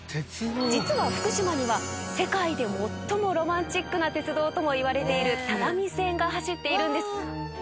実は福島には世界で最もロマンチックな鉄道ともいわれている只見線が走っているんです。